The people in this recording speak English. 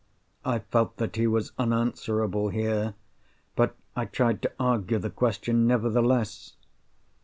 I felt that he was unanswerable, here; but I tried to argue the question, nevertheless.